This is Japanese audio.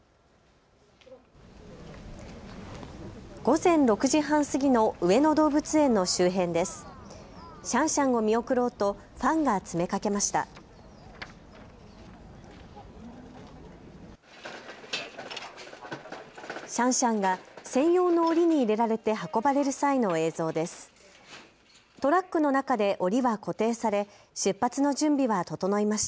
午前６時半過ぎの上野動物園の周辺です。